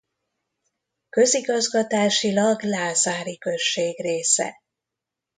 Közigazgatásilag Lázári község része.